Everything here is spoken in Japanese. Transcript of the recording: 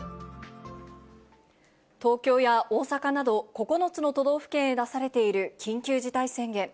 東京や大阪など、９つの都道府県へ出されている緊急事態宣言。